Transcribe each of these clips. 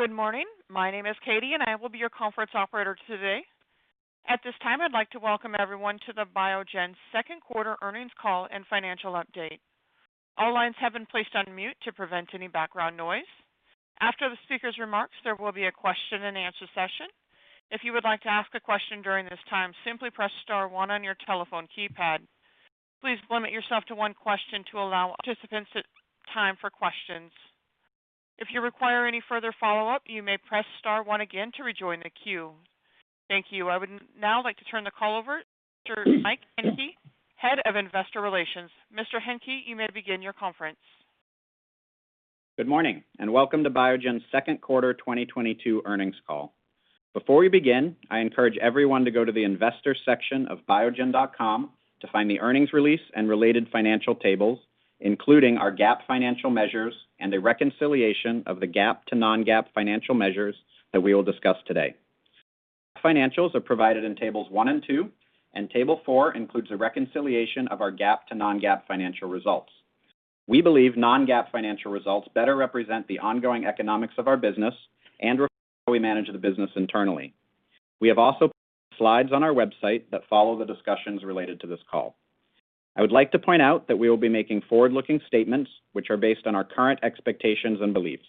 Good morning. My name is Katie, and I will be your conference operator today. At this time, I'd like to welcome everyone to the Biogen second quarter earnings call and financial update. All lines have been placed on mute to prevent any background noise. After the speaker's remarks, there will be a question and answer session. If you would like to ask a question during this time, simply press star one on your telephone keypad. Please limit yourself to one question to allow participants the time for questions. If you require any further follow-up, you may press star one again to rejoin the queue. Thank you. I would now like to turn the call over to Mike Hencke, Head of Investor Relations. Mr. Hencke, you may begin your conference. Good morning, and welcome to Biogen's second quarter 2022 earnings call. Before we begin, I encourage everyone to go to the investor section of biogen.com to find the earnings release and related financial tables, including our GAAP financial measures and a reconciliation of the GAAP to non-GAAP financial measures that we will discuss today. Financials are provided in tables one and two, and table four includes a reconciliation of our GAAP to non-GAAP financial results. We believe non-GAAP financial results better represent the ongoing economics of our business and reflect how we manage the business internally. We have also provided slides on our website that follow the discussions related to this call. I would like to point out that we will be making forward-looking statements which are based on our current expectations and beliefs.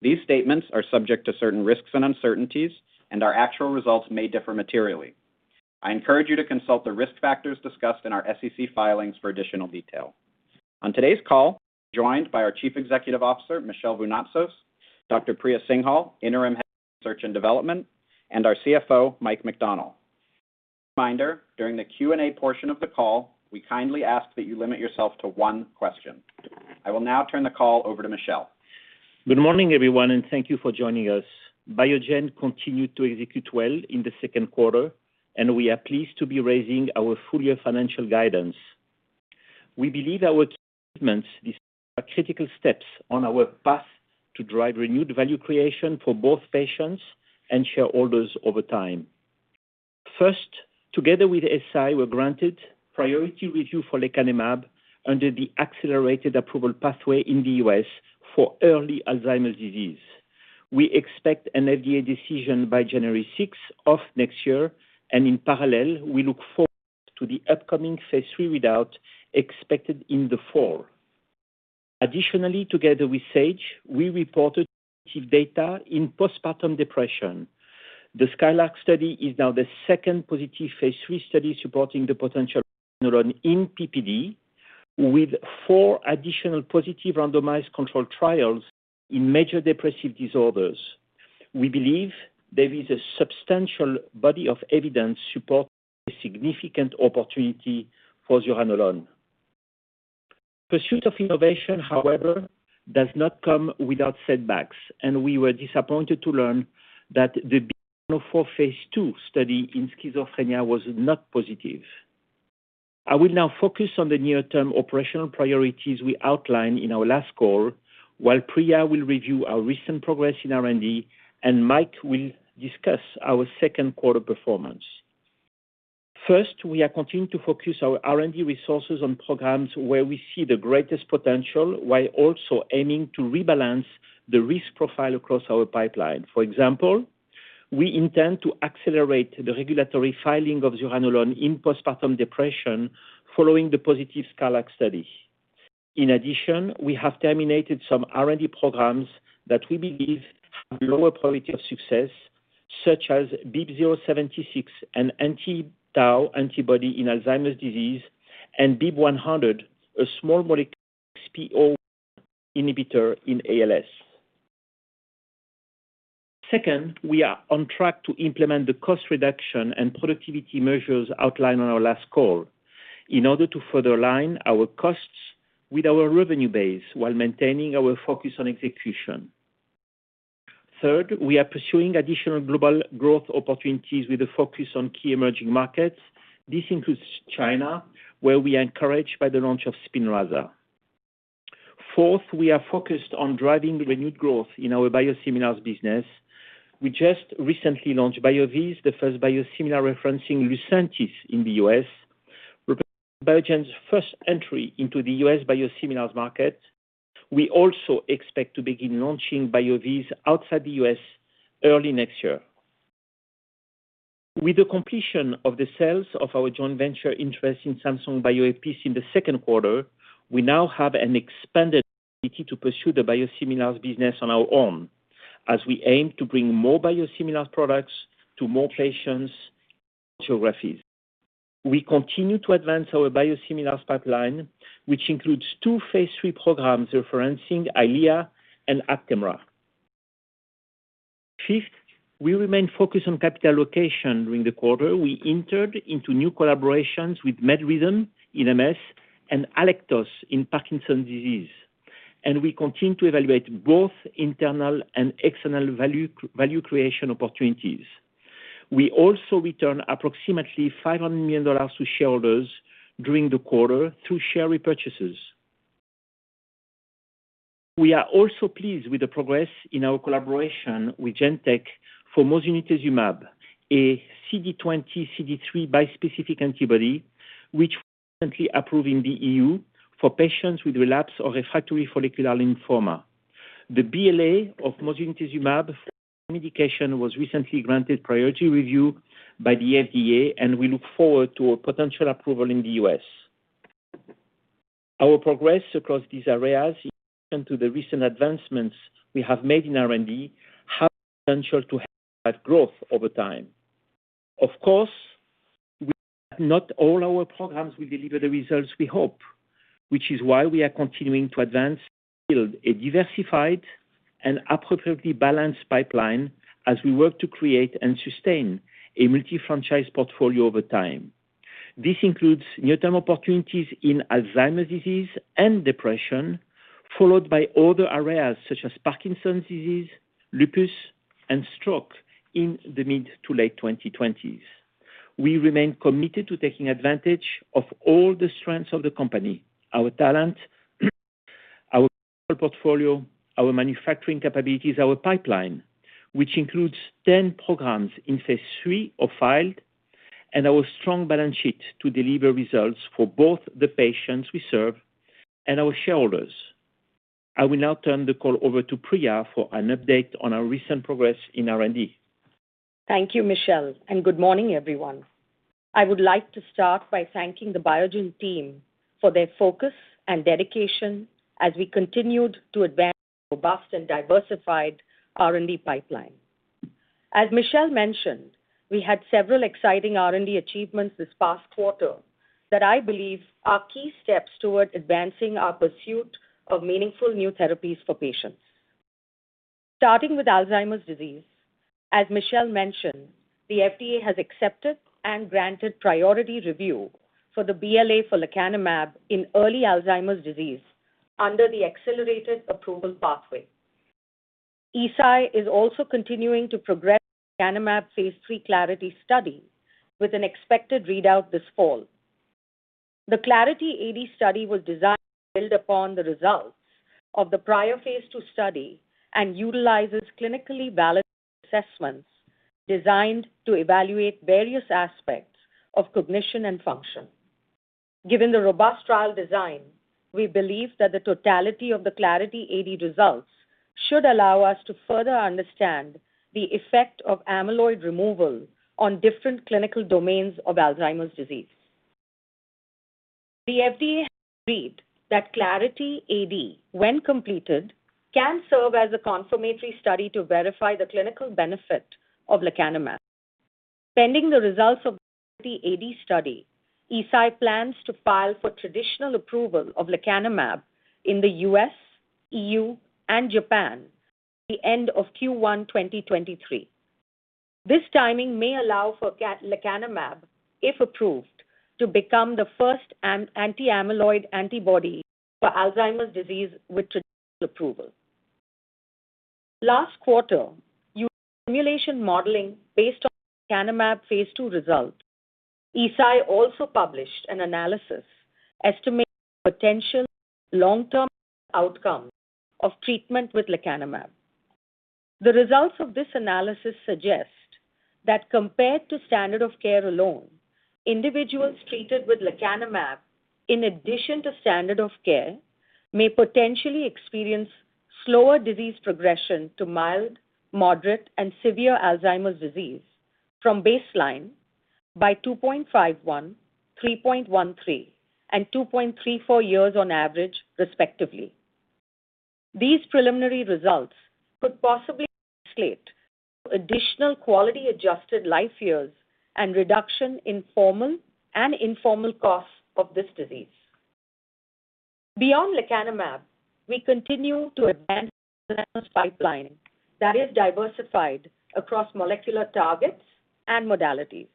These statements are subject to certain risks and uncertainties, and our actual results may differ materially. I encourage you to consult the risk factors discussed in our SEC filings for additional detail. On today's call, we're joined by our Chief Executive Officer, Michel Vounatsos, Dr. Priya Singhal, Interim Head of Research and Development, and our CFO, Mike McDonnell. As a reminder, during the Q&A portion of the call, we kindly ask that you limit yourself to one question. I will now turn the call over to Michel. Good morning, everyone, and thank you for joining us. Biogen continued to execute well in the second quarter, and we are pleased to be raising our full-year financial guidance. We believe our key achievements this quarter are critical steps on our path to drive renewed value creation for both patients and shareholders over time. First, together with Eisai, we're granted priority review for lecanemab under the accelerated approval pathway in the U.S. for early Alzheimer's disease. We expect an FDA decision by January 6th of next year, and in parallel, we look forward to the upcoming phase III readout expected in the fall. Additionally, together with Sage, we reported positive data in postpartum depression. The SKYLARK study is now the second positive phase III study supporting the potential of zuranolone in PPD with four additional positive randomized controlled trials in major depressive disorders. We believe there is a substantial body of evidence supporting a significant opportunity for zuranolone. Pursuit of innovation, however, does not come without setbacks, and we were disappointed to learn that the BIIB104 phase II study in schizophrenia was not positive. I will now focus on the near-term operational priorities we outlined in our last call, while Priya will review our recent progress in R&D, and Mike will discuss our second quarter performance. First, we are continuing to focus our R&D resources on programs where we see the greatest potential while also aiming to rebalance the risk profile across our pipeline. For example, we intend to accelerate the regulatory filing of zuranolone in postpartum depression following the positive SKYLARK study. In addition, we have terminated some R&D programs that we believe have lower priority of success, such as BIIB076, an anti-tau antibody in Alzheimer's disease, and BIIB100, a small molecule XPO1 inhibitor in ALS. Second, we are on track to implement the cost reduction and productivity measures outlined on our last call in order to further align our costs with our revenue base while maintaining our focus on execution. Third, we are pursuing additional global growth opportunities with a focus on key emerging markets. This includes China, where we are encouraged by the launch of SPINRAZA. Fourth, we are focused on driving renewed growth in our biosimilars business. We just recently launched BYOOVIZ, the first biosimilar referencing LUCENTIS in the U.S., representing Biogen's first entry into the U.S. biosimilars market. We also expect to begin launching BYOOVIZ outside the U.S. early next year. With the completion of the sales of our joint venture interest in Samsung Bioepis in the second quarter, we now have an expanded ability to pursue the biosimilars business on our own as we aim to bring more biosimilars products to more patients in geographies. We continue to advance our biosimilars pipeline, which includes two phase III programs referencing EYLEA and ACTEMRA. Fifth, we remain focused on capital allocation during the quarter. We entered into new collaborations with MedRhythms in MS and Alectos in Parkinson's disease, and we continue to evaluate both internal and external value creation opportunities. We also returned approximately $500 million to shareholders during the quarter through share repurchases. We are also pleased with the progress in our collaboration with Genentech for mosunetuzumab. A CD20/CD3 bispecific antibody, which was recently approved in the EU for patients with relapse or refractory follicular lymphoma. The BLA of mosunetuzumab for this indication was recently granted priority review by the FDA, and we look forward to a potential approval in the U.S. Our progress across these areas, in addition to the recent advancements we have made in R&D, have the potential to help drive growth over time. Of course, we know that not all our programs will deliver the results we hope, which is why we are continuing to advance and build a diversified and appropriately balanced pipeline as we work to create and sustain a multi-franchise portfolio over time. This includes near-term opportunities in Alzheimer's disease and depression, followed by other areas such as Parkinson's disease, lupus, and stroke in the mid- to late-2020s. We remain committed to taking advantage of all the strengths of the company, our talent, our commercial portfolio, our manufacturing capabilities, our pipeline, which includes 10 programs in phase III or filed, and our strong balance sheet to deliver results for both the patients we serve and our shareholders. I will now turn the call over to Priya for an update on our recent progress in R&D. Thank you, Michel, and good morning, everyone. I would like to start by thanking the Biogen team for their focus and dedication as we continued to advance our robust and diversified R&D pipeline. As Michel mentioned, we had several exciting R&D achievements this past quarter that I believe are key steps toward advancing our pursuit of meaningful new therapies for patients. Starting with Alzheimer's disease, as Michel mentioned, the FDA has accepted and granted priority review for the BLA for lecanemab in early Alzheimer's disease under the accelerated approval pathway. Eisai is also continuing to progress the lecanemab phase III Clarity AD study with an expected readout this fall. The Clarity AD study was designed to build upon the results of the prior phase II study and utilizes clinically valid assessments designed to evaluate various aspects of cognition and function. Given the robust trial design, we believe that the totality of the Clarity AD results should allow us to further understand the effect of amyloid removal on different clinical domains of Alzheimer's disease. The FDA has agreed that Clarity AD, when completed, can serve as a confirmatory study to verify the clinical benefit of lecanemab. Pending the results of the Clarity AD study, Eisai plans to file for traditional approval of lecanemab in the U.S., EU, and Japan by the end of Q1 2023. This timing may allow for lecanemab, if approved, to become the first anti-amyloid antibody for Alzheimer's disease with traditional approval. Last quarter, using simulation modeling based on lecanemab phase II results, Eisai also published an analysis estimating the potential long-term outcomes of treatment with lecanemab. The results of this analysis suggest that compared to standard of care alone, individuals treated with lecanemab in addition to standard of care may potentially experience slower disease progression to mild, moderate, and severe Alzheimer's disease from baseline by 2.51, 3.13, and 2.34 years on average, respectively. These preliminary results could possibly translate to additional quality-adjusted life years and reduction in formal and informal costs of this disease. Beyond lecanemab, we continue to advance an Alzheimer's pipeline that is diversified across molecular targets and modalities.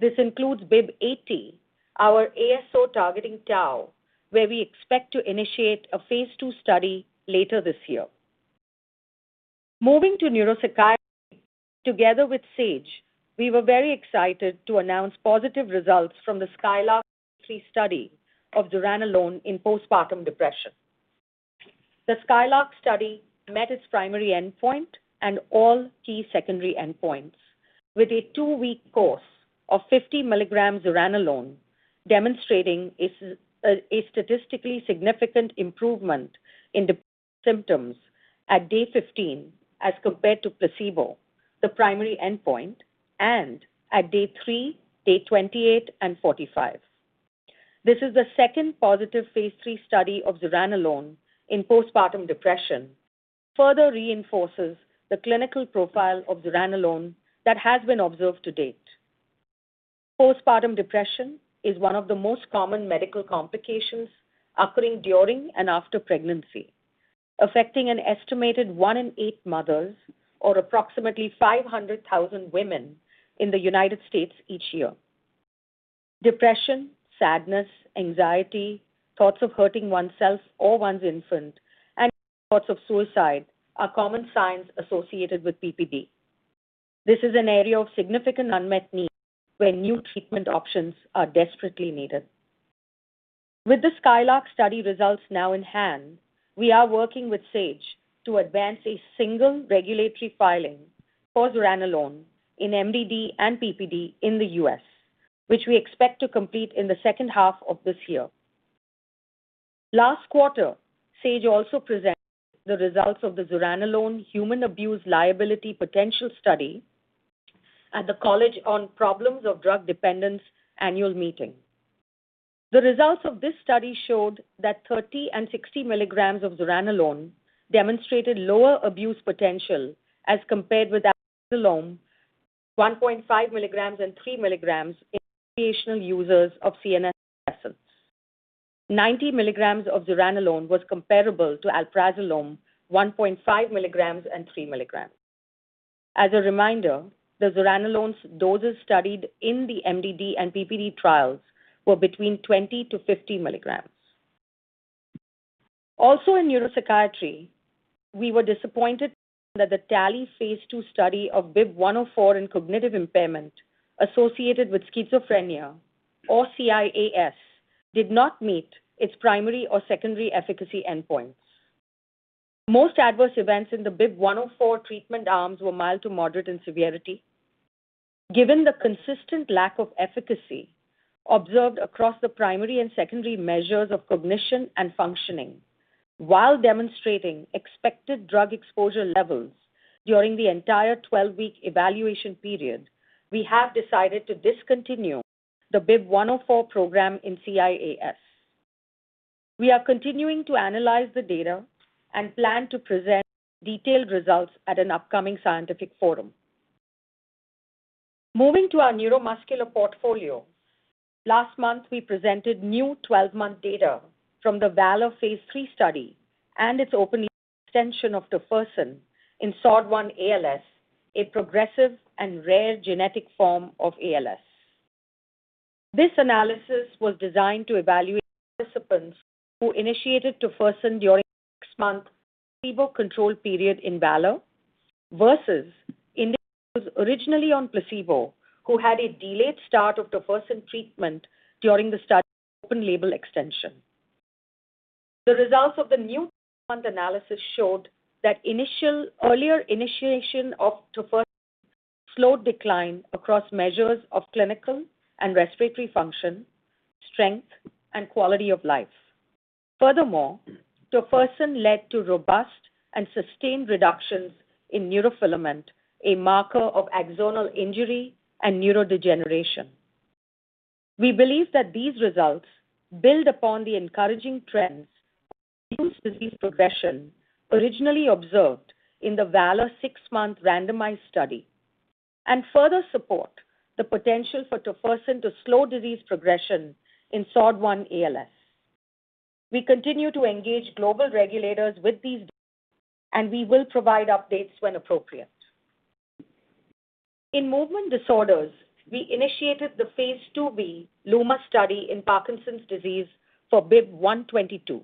This includes BIIB080, our ASO targeting tau, where we expect to initiate a phase II study later this year. Moving to neuropsychiatry, together with Sage, we were very excited to announce positive results from the SKYLARK study of zuranolone in postpartum depression. The SKYLARK study met its primary endpoint and all key secondary endpoints, with a 2-week course of 50 mg zuranolone demonstrating a statistically significant improvement in depression symptoms at day 15 as compared to placebo, the primary endpoint, and at day 3, day 28, and 45. This is the second positive phase III study of zuranolone in postpartum depression and further reinforces the clinical profile of zuranolone that has been observed to date. Postpartum depression is one of the most common medical complications occurring during and after pregnancy, affecting an estimated one in eight mothers or approximately 500,000 women in the United States each year. Depression, sadness, anxiety, thoughts of hurting oneself or one's infant, and even thoughts of suicide are common signs associated with PPD. This is an area of significant unmet need where new treatment options are desperately needed. With the SKYLARK study results now in hand, we are working with Sage to advance a single regulatory filing for zuranolone in MDD and PPD in the U.S., which we expect to complete in the second half of this year. Last quarter, Sage also presented the results of the zuranolone human abuse liability potential study at the College on Problems of Drug Dependence annual meeting. The results of this study showed that 30 and 60 mg of zuranolone demonstrated lower abuse potential as compared with alprazolam 1.5 mg and 3 mg in recreational users of CNS depressants. 90 mg of zuranolone was comparable to alprazolam 1.5 mg and 3 mg. As a reminder, the zuranolone's doses studied in the MDD and PPD trials were between 20-50 mg. Also in neuropsychiatry, we were disappointed that the TALLY phase II study of BIIB104 in cognitive impairment associated with schizophrenia or CIAS did not meet its primary or secondary efficacy endpoints. Most adverse events in the BIIB104 treatment arms were mild to moderate in severity. Given the consistent lack of efficacy observed across the primary and secondary measures of cognition and functioning while demonstrating expected drug exposure levels during the entire 12-week evaluation period, we have decided to discontinue the BIIB104 program in CIAS. We are continuing to analyze the data and plan to present detailed results at an upcoming scientific forum. Moving to our neuromuscular portfolio. Last month, we presented new 12-month data from the VALOR phase III study and its open-label extension of tofersen in SOD1-ALS, a progressive and rare genetic form of ALS. This analysis was designed to evaluate participants who initiated tofersen during the first month of the placebo-controlled period in VALOR versus individuals originally on placebo who had a delayed start of tofersen treatment during the study's open label extension. The results of the new 12-month analysis showed that earlier initiation of tofersen slowed decline across measures of clinical and respiratory function, strength, and quality of life. Furthermore, tofersen led to robust and sustained reductions in neurofilament, a marker of axonal injury and neurodegeneration. We believe that these results build upon the encouraging trends of reduced disease progression originally observed in the VALOR 6-month randomized study and further support the potential for tofersen to slow disease progression in SOD1-ALS. We continue to engage global regulators with these data, and we will provide updates when appropriate. In movement disorders, we initiated the phase II LUMA study in Parkinson's disease for BIIB122,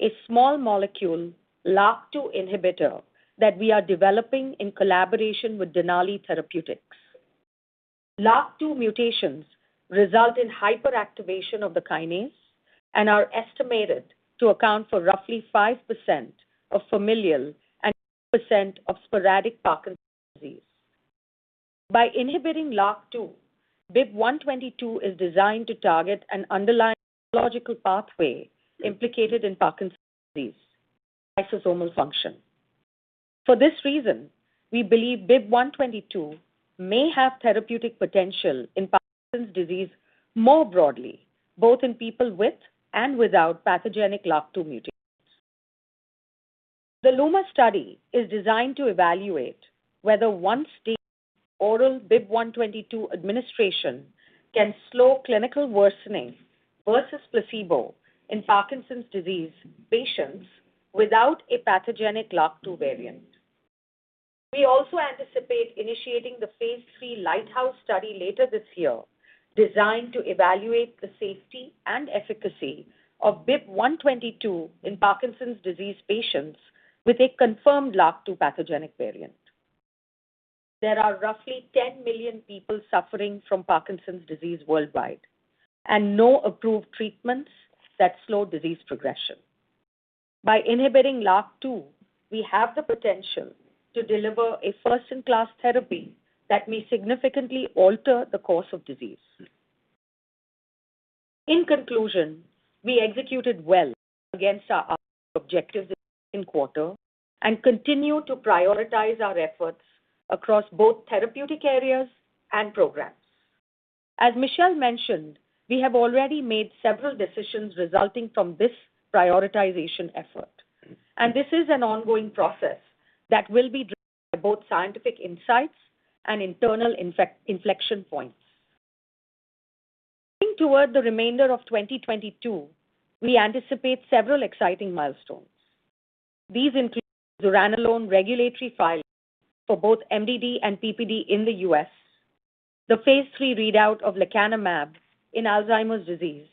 a small molecule LRRK2 inhibitor that we are developing in collaboration with Denali Therapeutics. LRRK2 mutations result in hyperactivation of the kinase and are estimated to account for roughly 5% of familial and 2% of sporadic Parkinson's disease. By inhibiting LRRK2, BIIB122 is designed to target an underlying pathological pathway implicated in Parkinson's disease, lysosomal function. For this reason, we believe BIIB122 may have therapeutic potential in Parkinson's disease more broadly, both in people with and without pathogenic LRRK2 mutations. The LUMA study is designed to evaluate whether once-daily oral BIIB122 administration can slow clinical worsening versus placebo in Parkinson's disease patients without a pathogenic LRRK2 variant. We anticipate initiating the phase III LIGHTHOUSE study later this year, designed to evaluate the safety and efficacy of BIIB122 in Parkinson's disease patients with a confirmed LRRK2 pathogenic variant. There are roughly 10 million people suffering from Parkinson's disease worldwide and no approved treatments that slow disease progression. By inhibiting LRRK2, we have the potential to deliver a first-in-class therapy that may significantly alter the course of disease. In conclusion, we executed well against our R&D objectives this quarter and continue to prioritize our efforts across both therapeutic areas and programs. As Michel mentioned, we have already made several decisions resulting from this prioritization effort, and this is an ongoing process that will be driven by both scientific insights and internal inflection points. Looking toward the remainder of 2022, we anticipate several exciting milestones. These include the zuranolone regulatory filings for both MDD and PPD in the U.S., the phase III readout of lecanemab in Alzheimer's disease,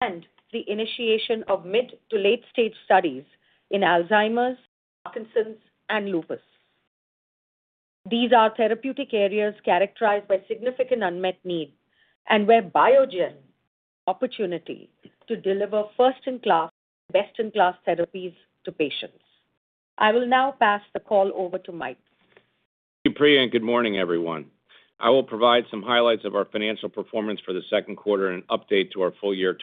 and the initiation of mid- to late-stage studies in Alzheimer's, Parkinson's, and lupus. These are therapeutic areas characterized by significant unmet need and where Biogen's opportunity to deliver first-in-class, best-in-class therapies to patients. I will now pass the call over to Mike. Thank you, Priya, and good morning, everyone. I will provide some highlights of our financial performance for the second quarter and update to our full year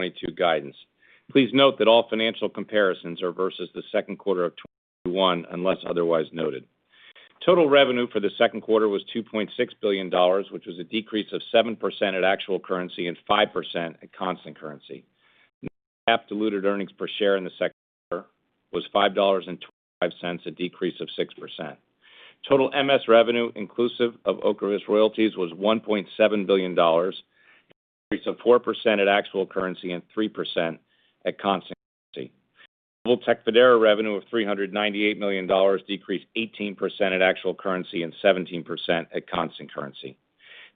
2022 guidance. Please note that all financial comparisons are versus the second quarter of 2021, unless otherwise noted. Total revenue for the second quarter was $2.6 billion, which was a decrease of 7% at actual currency and 5% at constant currency. Non-GAAP diluted earnings per share in the second quarter was $5.25, a decrease of 6%. Total MS revenue inclusive of OCREVUS royalties was $1.7 billion, a decrease of 4% at actual currency and 3% at constant currency. Global TECFIDERA revenue of $398 million decreased 18% at actual currency and 17% at constant currency.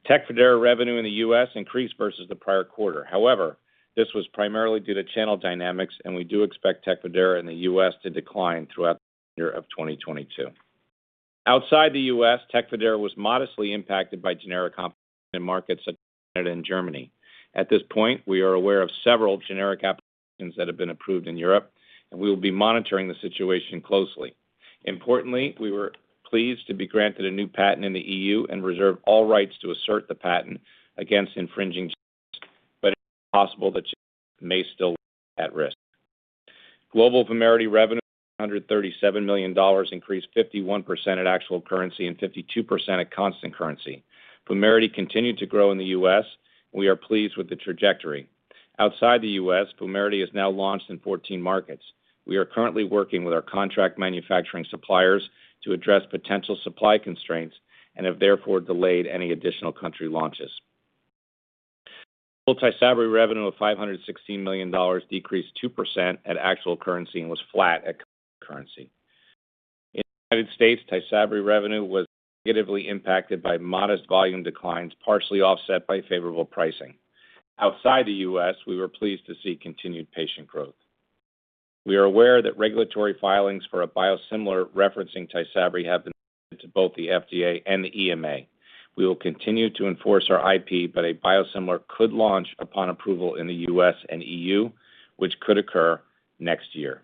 TECFIDERA revenue in the U.S. increased versus the prior quarter. However, this was primarily due to channel dynamics, and we do expect TECFIDERA in the U.S. to decline throughout the year of 2022. Outside the U.S., TECFIDERA was modestly impacted by generic competition in markets such as Canada and Germany. At this point, we are aware of several generic applications that have been approved in Europe, and we will be monitoring the situation closely. Importantly, we were pleased to be granted a new patent in the EU and reserve all rights to assert the patent against infringing generics. It is possible that generics may still launch at risk. Global VUMERITY revenue of $137 million increased 51% at actual currency and 52% at constant currency. VUMERITY continued to grow in the U.S., and we are pleased with the trajectory. Outside the U.S., VUMERITY is now launched in 14 markets. We are currently working with our contract manufacturing suppliers to address potential supply constraints and have therefore delayed any additional country launches. Global TYSABRI revenue of $516 million decreased 2% at actual currency and was flat at constant currency. In the United States, TYSABRI revenue was negatively impacted by modest volume declines, partially offset by favorable pricing. Outside the U.S., we were pleased to see continued patient growth. We are aware that regulatory filings for a biosimilar referencing TYSABRI have been submitted to both the FDA and the EMA. We will continue to enforce our IP, but a biosimilar could launch upon approval in the U.S. and EU, which could occur next year.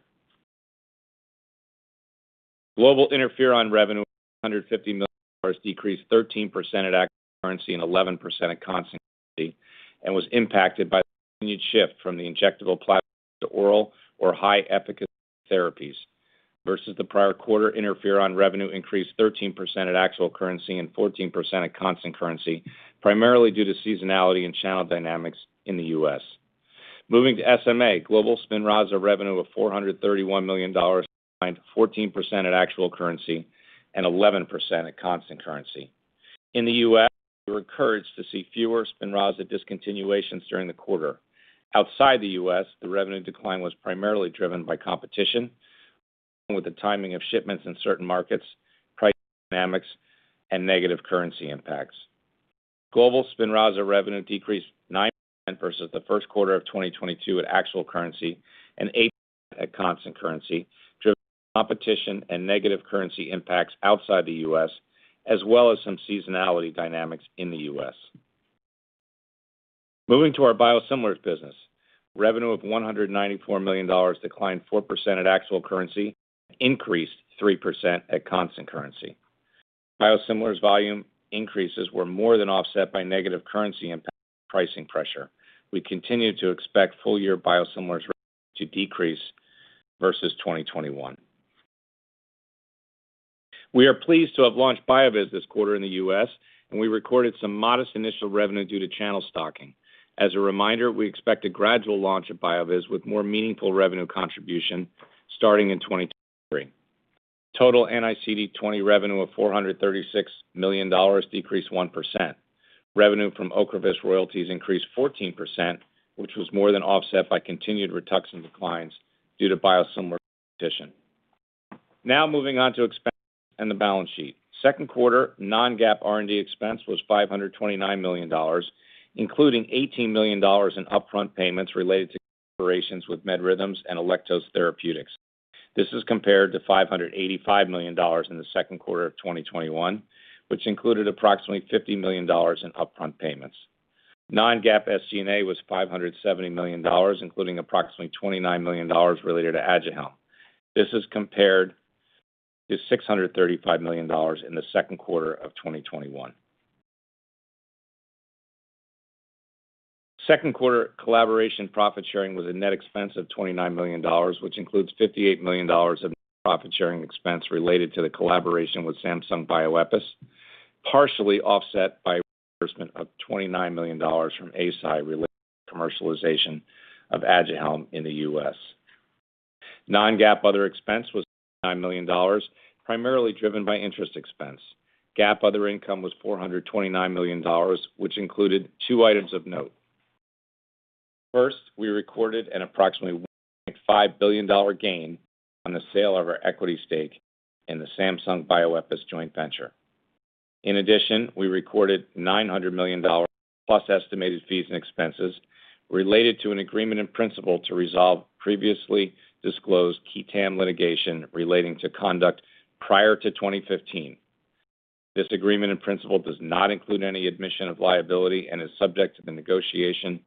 Global interferon revenue of $150 million decreased 13% at actual currency and 11% at constant currency and was impacted by the continued shift from the injectable platform to oral or high efficacy therapies. Versus the prior quarter, interferon revenue increased 13% at actual currency and 14% at constant currency, primarily due to seasonality and channel dynamics in the U.S. Moving to SMA, global SPINRAZA revenue of $431 million declined 14% at actual currency and 11% at constant currency. In the U.S., we were encouraged to see fewer SPINRAZA discontinuations during the quarter. Outside the U.S., the revenue decline was primarily driven by competition along with the timing of shipments in certain markets, pricing dynamics, and negative currency impacts. Global SPINRAZA revenue decreased 9% versus the first quarter of 2022 at actual currency and 8% at constant currency, driven by competition and negative currency impacts outside the U.S., as well as some seasonality dynamics in the U.S. Moving to our biosimilars business. Revenue of $194 million declined 4% at actual currency and increased 3% at constant currency. Biosimilars volume increases were more than offset by negative currency impacts and pricing pressure. We continue to expect full-year biosimilars revenue to decrease versus 2021. We are pleased to have launched BYOOVIZ this quarter in the U.S., and we recorded some modest initial revenue due to channel stocking. As a reminder, we expect a gradual launch of BYOOVIZ with more meaningful revenue contribution starting in 2023. Total multiple sclerosis and neuroimmunology revenue of $436 million decreased 1%. Revenue from OCREVUS royalties increased 14%, which was more than offset by continued RITUXAN declines due to biosimilar competition. Now moving on to expenses and the balance sheet. Second quarter non-GAAP R&D expense was $529 million, including $18 million in upfront payments related to collaborations with MedRhythms and Alectos Therapeutics. This is compared to $585 million in the second quarter of 2021, which included approximately $50 million in upfront payments. Non-GAAP SG&A was $570 million, including approximately $29 million related to Aduhelm. This is compared to $635 million in the second quarter of 2021. Second quarter collaboration profit sharing was a net expense of $29 million, which includes $58 million of net profit sharing expense related to the collaboration with Samsung Bioepis, partially offset by reimbursement of $29 million from Eisai related to the commercialization of Aduhelm in the U.S. Non-GAAP other expense was $79 million, primarily driven by interest expense. GAAP other income was $429 million, which included two items of note. First, we recorded an approximately $1.5 billion gain on the sale of our equity stake in the Samsung Bioepis joint venture. In addition, we recorded $900 million plus estimated fees and expenses related to an agreement in principle to resolve previously disclosed qui tam litigation relating to conduct prior to 2015. This agreement in principle does not include any admission of liability and is subject to the negotiation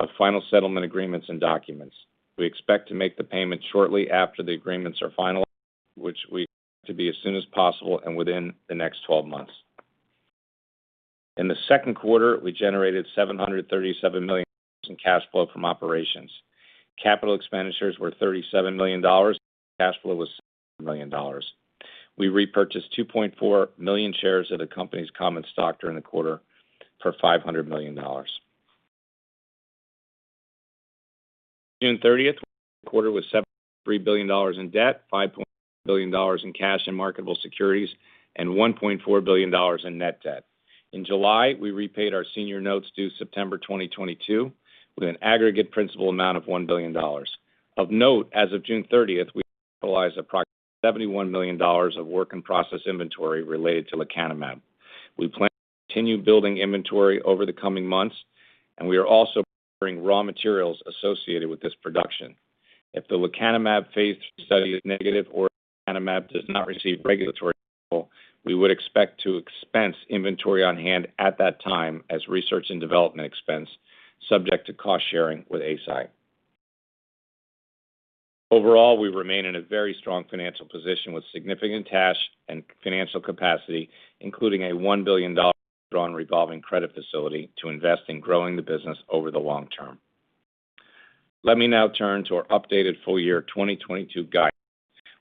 of final settlement agreements and documents. We expect to make the payment shortly after the agreements are finalized, which we expect to be as soon as possible and within the next 12 months. In the second quarter, we generated $737 million in cash flow from operations. Capital expenditures were $37 million. Free cash flow was $700 million. We repurchased 2.4 million shares of the company's common stock during the quarter for $500 million. As of June 30th, we had $7.3 billion in debt, $5.9 billion in cash and marketable securities, and $1.4 billion in net debt. In July, we repaid our senior notes due September 2022 with an aggregate principal amount of $1 billion. Of note, as of June 30th, we utilized approximately $71 million of work in process inventory related to lecanemab. We plan to continue building inventory over the coming months, and we are also procuring raw materials associated with this production. If the lecanemab phase III study is negative, or lecanemab does not receive regulatory approval, we would expect to expense inventory on hand at that time as research and development expense, subject to cost sharing with Eisai. Overall, we remain in a very strong financial position with significant cash and financial capacity, including a $1 billion drawn revolving credit facility to invest in growing the business over the long term. Let me now turn to our updated full-year 2022 guidance.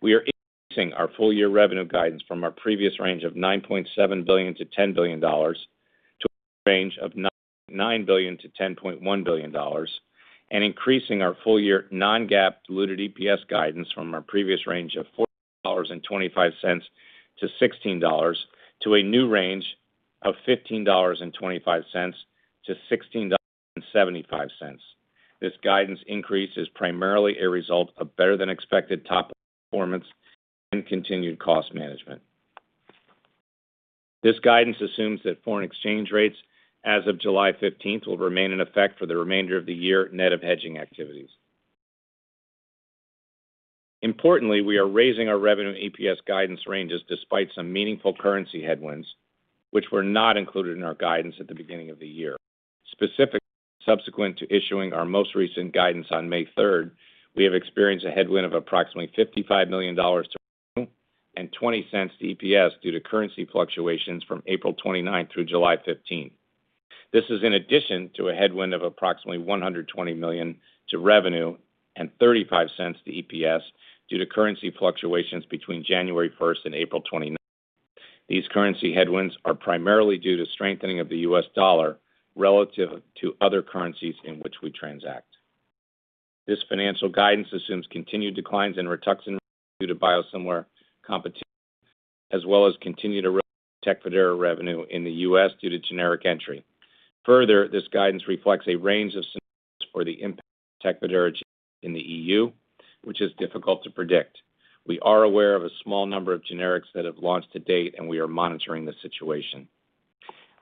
We are increasing our full-year revenue guidance from our previous range of $9.7 billion-$10 billion to a range of $9.9 billion-$10.1 billion and increasing our full-year non-GAAP diluted EPS guidance from our previous range of $14.25-$16 to a new range of $15.25-$16.75. This guidance increase is primarily a result of better than expected top-line performance and continued cost management. This guidance assumes that foreign exchange rates as of July 15th will remain in effect for the remainder of the year net of hedging activities. Importantly, we are raising our revenue and EPS guidance ranges despite some meaningful currency headwinds, which were not included in our guidance at the beginning of the year. Specifically, subsequent to issuing our most recent guidance on May 3rd, we have experienced a headwind of approximately $55 million to revenue and $0.20 to EPS due to currency fluctuations from April 29th through July 15th. This is in addition to a headwind of approximately $120 million to revenue and $0.35 to EPS due to currency fluctuations between January 1st and April 29th. These currency headwinds are primarily due to strengthening of the U.S. dollar relative to other currencies in which we transact. This financial guidance assumes continued declines in RITUXAN revenue due to biosimilar competition, as well as continued erosion of TECFIDERA revenue in the U.S. due to generic entry. Further, this guidance reflects a range of scenarios for the impact of TECFIDERA generics in the EU, which is difficult to predict. We are aware of a small number of generics that have launched to date, and we are monitoring the situation.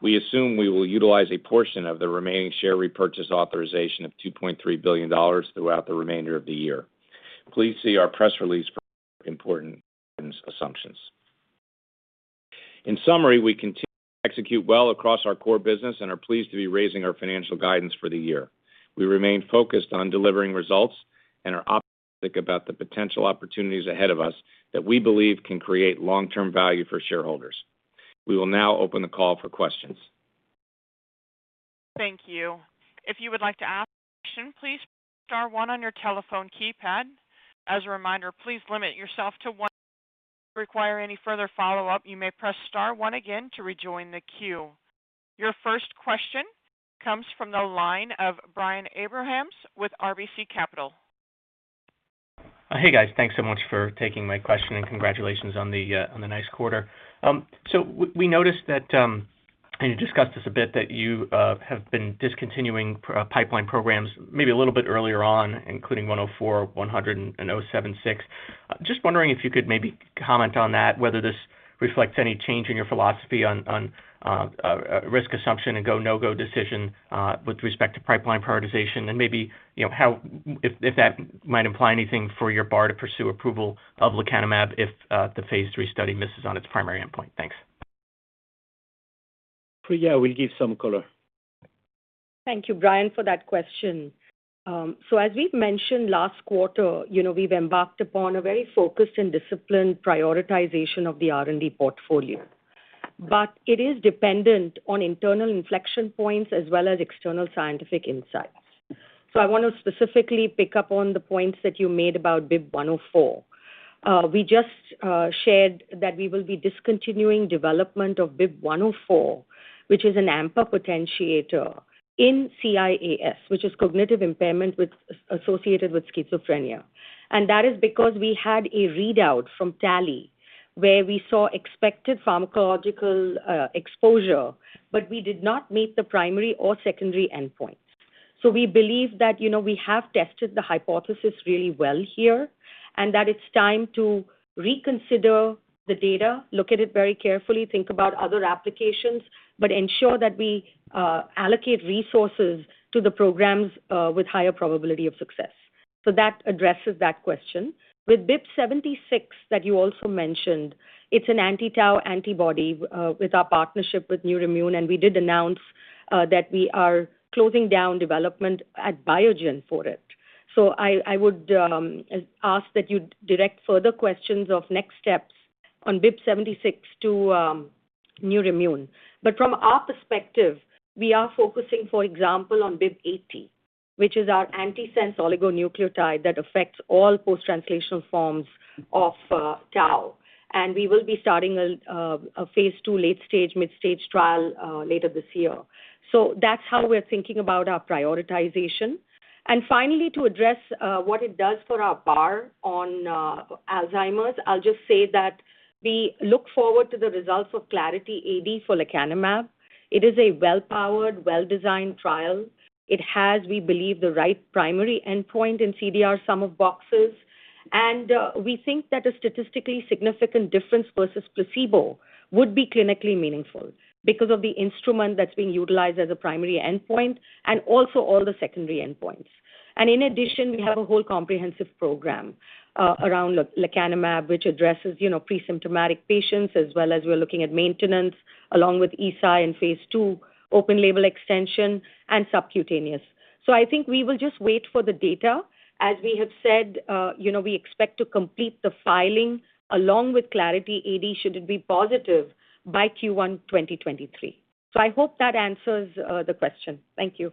We assume we will utilize a portion of the remaining share repurchase authorization of $2.3 billion throughout the remainder of the year. Please see our press release for important guidance assumptions. In summary, we continue to execute well across our core business and are pleased to be raising our financial guidance for the year. We remain focused on delivering results and are optimistic about the potential opportunities ahead of us that we believe can create long-term value for shareholders. We will now open the call for questions. Thank you. If you would like to ask a question, please press star one on your telephone keypad. As a reminder, please limit yourself to one question. If you require any further follow-up, you may press star one again to rejoin the queue. Your first question comes from the line of Brian Abrahams with RBC Capital. Hey, guys. Thanks so much for taking my question and congratulations on the nice quarter. We noticed that, and you discussed this a bit, that you have been discontinuing pipeline programs maybe a little bit earlier on, including BIIB104, BIIB100, and BIIB076. Just wondering if you could maybe comment on that, whether this reflects any change in your philosophy on risk assumption and go, no-go decision with respect to pipeline prioritization. Maybe, you know, how if that might imply anything for your bar to pursue approval of lecanemab if the phase III study misses on its primary endpoint. Thanks. Priya will give some color. Thank you, Brian, for that question. As we've mentioned last quarter, you know, we've embarked upon a very focused and disciplined prioritization of the R&D portfolio. It is dependent on internal inflection points as well as external scientific insights. I want to specifically pick up on the points that you made about BIIB104. We just shared that we will be discontinuing development of BIIB104, which is an AMPA potentiator in CIAS, which is cognitive impairment associated with schizophrenia. That is because we had a readout from TALLY where we saw expected pharmacological exposure, but we did not meet the primary or secondary endpoint. So we believe that, you know, we have tested the hypothesis really well here, and that it's time to reconsider the data, look at it very carefully, think about other applications, but ensure that we allocate resources to the programs with higher probability of success. So that addresses that question. With BIIB076 that you also mentioned, it's an anti-tau antibody with our partnership with Neurimmune, and we did announce that we are closing down development at Biogen for it. I would ask that you direct further questions of next steps on BIIB076 to Neurimmune. From our perspective, we are focusing, for example, on BIIB080, which is our antisense oligonucleotide that affects all post-translational forms of tau. We will be starting a phase II late-stage, mid-stage trial later this year. That's how we're thinking about our prioritization. Finally, to address what it does for our barometer on Alzheimer's, I'll just say that we look forward to the results of Clarity AD for lecanemab. It is a well-powered, well-designed trial. It has, we believe, the right primary endpoint in CDR Sum of Boxes. We think that a statistically significant difference versus placebo would be clinically meaningful because of the instrument that's being utilized as a primary endpoint and also all the secondary endpoints. In addition, we have a whole comprehensive program around lecanemab, which addresses, you know, pre-symptomatic patients as well as we're looking at maintenance along with Eisai in phase II, open label extension and subcutaneous. I think we will just wait for the data. As we have said, you know, we expect to complete the filing along with Clarity AD should it be positive by Q1 2023. I hope that answers the question. Thank you.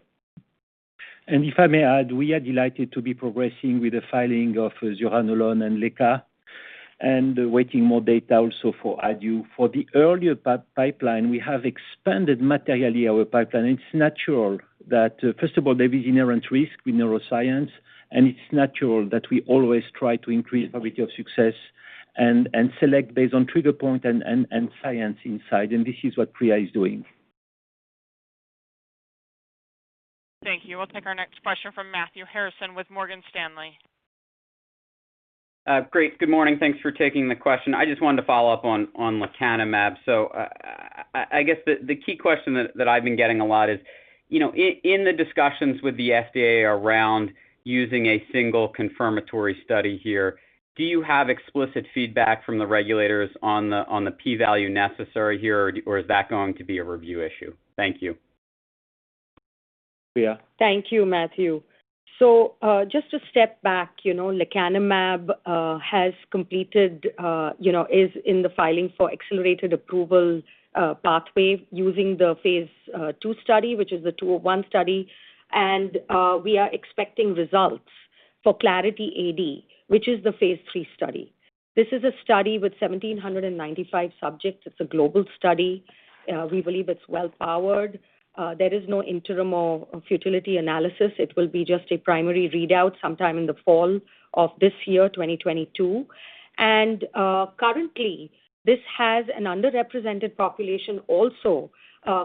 If I may add, we are delighted to be progressing with the filing of zuranolone and lecanemab, and waiting more data also for Aduhelm. For the earlier pipeline, we have expanded materially our pipeline. It's natural that, first of all, there is inherent risk with neuroscience, and it's natural that we always try to increase probability of success and select based on trigger point and science inside. This is what Priya is doing. Thank you. We'll take our next question from Matthew Harrison with Morgan Stanley. Great. Good morning. Thanks for taking the question. I just wanted to follow up on lecanemab. I guess the key question that I've been getting a lot is, you know, in the discussions with the FDA around using a single confirmatory study here, do you have explicit feedback from the regulators on the P-value necessary here, or is that going to be a review issue? Thank you. Priya. Thank you, Matthew. Just to step back, you know, lecanemab has completed, you know, is in the filing for accelerated approval pathway using the phase II study, which is the Study 201. We are expecting results for Clarity AD, which is the phase III study. This is a study with 1,795 subjects. It's a global study. We believe it's well powered. There is no interim or futility analysis. It will be just a primary readout sometime in the fall of this year, 2022. Currently, this has an underrepresented population also,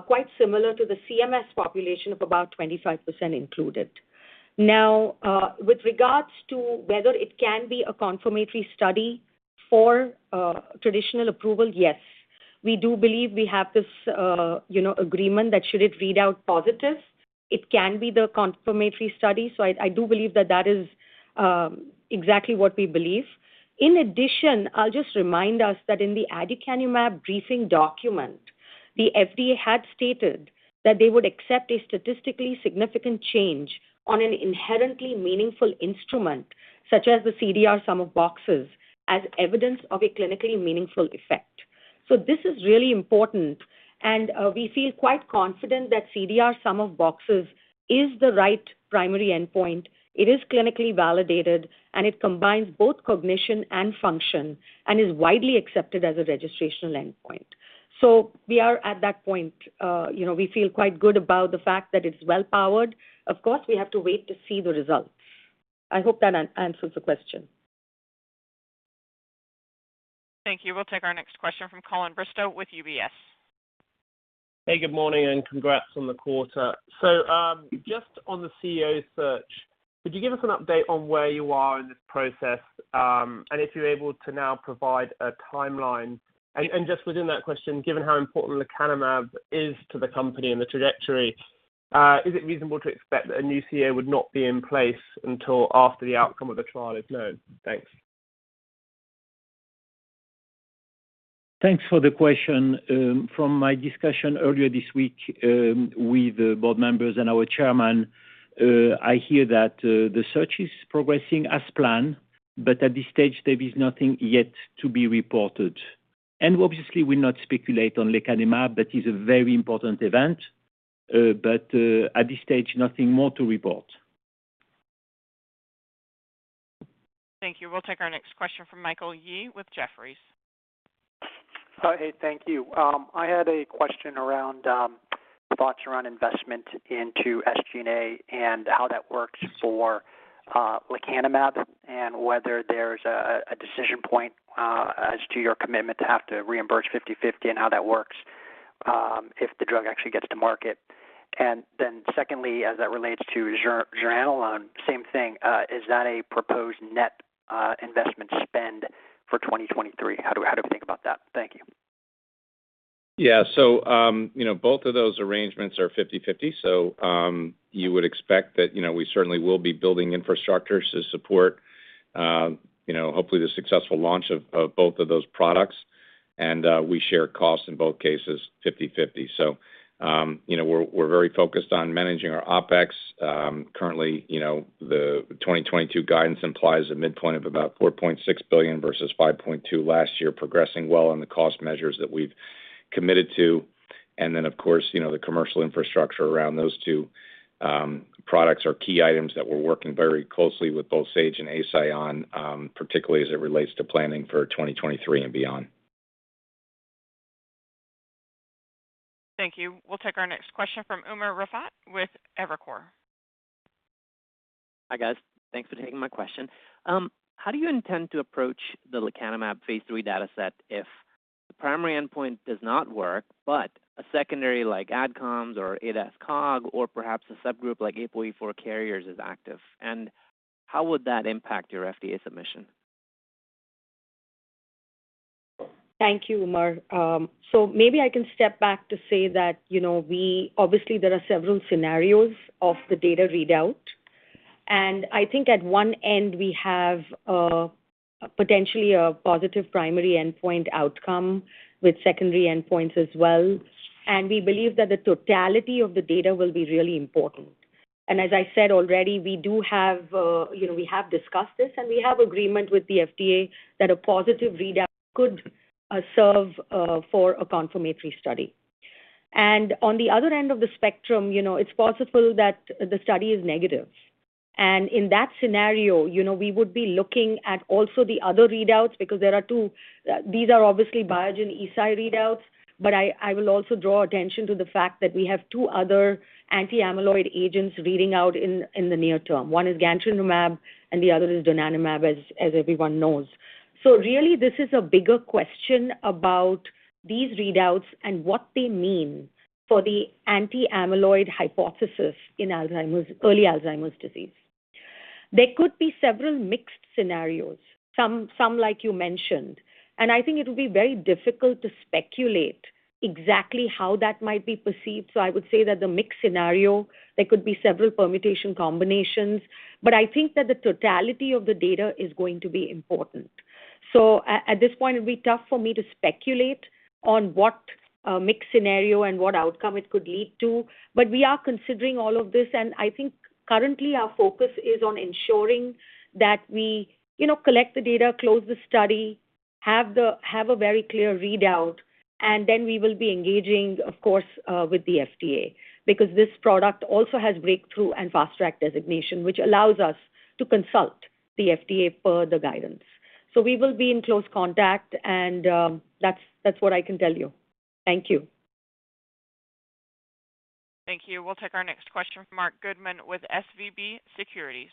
quite similar to the CMS population of about 25% included. Now, with regards to whether it can be a confirmatory study for traditional approval, yes. We do believe we have this, you know, agreement that should it read out positive, it can be the confirmatory study. I do believe that is exactly what we believe. In addition, I'll just remind us that in the aducanumab briefing document, the FDA had stated that they would accept a statistically significant change on an inherently meaningful instrument such as the CDR Sum of Boxes as evidence of a clinically meaningful effect. This is really important, and we feel quite confident that CDR Sum of Boxes is the right primary endpoint. It is clinically validated, and it combines both cognition and function and is widely accepted as a registrational endpoint. We are at that point, you know, we feel quite good about the fact that it's well-powered. Of course, we have to wait to see the results. I hope that answers the question. Thank you. We'll take our next question from Colin Bristow with UBS. Hey, good morning, and congrats on the quarter. Just on the CEO search, could you give us an update on where you are in this process, and if you're able to now provide a timeline? Just within that question, given how important lecanemab is to the company and the trajectory, is it reasonable to expect that a new CEO would not be in place until after the outcome of the trial is known? Thanks. Thanks for the question. From my discussion earlier this week, with board members and our chairman, I hear that the search is progressing as planned, but at this stage, there is nothing yet to be reported. Obviously, we'll not speculate on lecanemab. That is a very important event, but at this stage, nothing more to report. Thank you. We'll take our next question from Michael Yee with Jefferies. Hey, thank you. I had a question around thoughts around investment into SG&A and how that works for lecanemab and whether there's a decision point as to your commitment to have to reimburse 50/50 and how that works, if the drug actually gets to market. Then secondly, as that relates to zuranolone, same thing. Is that a proposed net investment spend for 2023? How do we think about that? Thank you. Yeah. You know, both of those arrangements are 50/50. You would expect that, you know, we certainly will be building infrastructures to support, you know, hopefully the successful launch of both of those products. We share costs in both cases, 50/50. You know, we're very focused on managing our OpEx. Currently, you know, the 2022 guidance implies a midpoint of about $4.6 billion versus $5.2 billion last year, progressing well on the cost measures that we've committed to. Then, of course, you know, the commercial infrastructure around those two products are key items that we're working very closely with both Sage and Eisai on, particularly as it relates to planning for 2023 and beyond. Thank you. We'll take our next question from Umer Raffat with Evercore. Hi, guys. Thanks for taking my question. How do you intend to approach the lecanemab phase III data set if the primary endpoint does not work, but a secondary like ADCOMS or ADAS-Cog or perhaps a subgroup like APOE4 carriers is active? How would that impact your FDA submission? Thank you, Umer. Maybe I can step back to say that, you know, we obviously, there are several scenarios of the data readout. I think at one end, we have potentially a positive primary endpoint outcome with secondary endpoints as well. We believe that the totality of the data will be really important. As I said already, we do have, you know, we have discussed this, and we have agreement with the FDA that a positive readout could serve for a confirmatory study. On the other end of the spectrum, you know, it's possible that the study is negative. In that scenario, you know, we would be looking at also the other readouts because there are two. These are obviously Biogen Eisai readouts, but I will also draw attention to the fact that we have two other anti-amyloid agents reading out in the near term. One is gantenerumab, and the other is donanemab, as everyone knows. Really, this is a bigger question about these readouts and what they mean for the anti-amyloid hypothesis in Alzheimer's, early Alzheimer's disease. There could be several mixed scenarios, some like you mentioned, and I think it will be very difficult to speculate exactly how that might be perceived. I would say that the mixed scenario, there could be several permutation combinations, but I think that the totality of the data is going to be important. At this point, it'd be tough for me to speculate on what mixed scenario and what outcome it could lead to. We are considering all of this, and I think currently our focus is on ensuring that we, you know, collect the data, close the study, have a very clear readout, and then we will be engaging, of course, with the FDA. Because this product also has breakthrough and fast track designation, which allows us to consult the FDA per the guidance. We will be in close contact and, that's what I can tell you. Thank you. Thank you. We'll take our next question from Marc Goodman with SVB Securities.